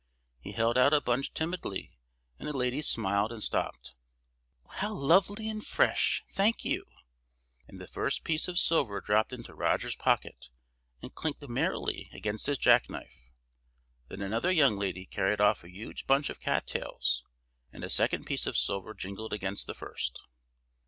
He held out a bunch timidly, and the lady smiled and stopped. "How lovely and fresh! Thank you!" and the first piece of silver dropped into Roger's pocket, and chinked merrily against his jackknife. Then another young lady carried off a huge bunch of cat tails, and a second piece of silver jingled against the first.